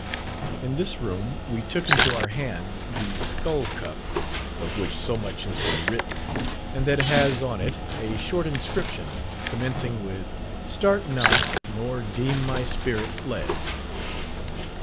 In this room we took into our hand the Skull cup, of which so much has been written, and that has on it a short inscription, commencing with "Start not nor deem my spirit fled."